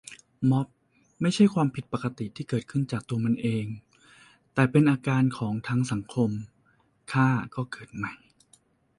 ม็อบไม่ใช่ความผิดปกติที่เกิดขึ้นจากตัวมันเอง แต่เป็นอาการของทั้งสังคม ฆ่าก็เกิดใหม่